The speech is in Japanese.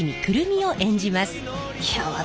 いや私